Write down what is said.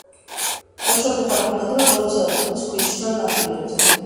ოჩოფეხა ბინადრობს ზღვებისა და ტბების ქვიშნარ ნაპირებზე.